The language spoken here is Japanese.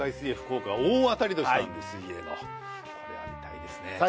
これは見たいですね。